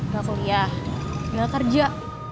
gak kuliah tinggal kerja